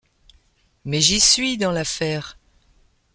Mais j’y suis, dans l’affaire !